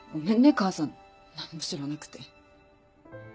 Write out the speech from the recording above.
母さん何も知らなくて。